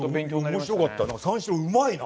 面白かったな。